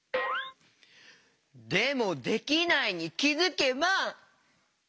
でも「できないに気づけば」？